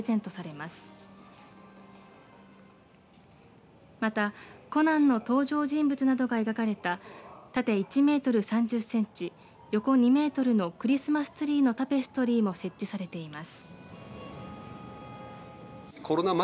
また、コナンの登場人物が描かれた縦１メートル横２メートルのクリスマスツリーのタペストリーも設置されています。